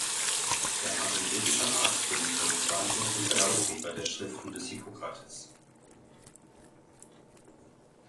Er war ein griechischer Arzt sowie Kommentator und Herausgeber der Schriften des Hippokrates.